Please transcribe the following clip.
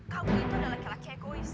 kamu itu adalah laki laki egois